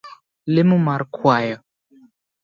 Lemo mar kwayo